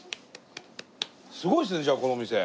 すごいですねじゃあこのお店。